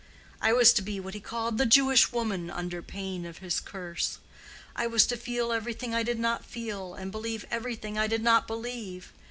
I was to be what he called 'the Jewish woman' under pain of his curse. I was to feel everything I did not feel, and believe everything I did not believe.